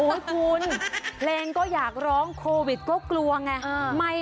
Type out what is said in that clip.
คุณเพลงก็อยากร้องโควิดก็กลัวไง